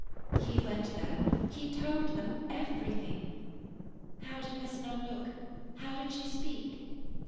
"He went there. He told them everything." "How did Miss Nunn look? How did she speak?"